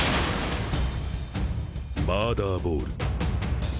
マーダーボール。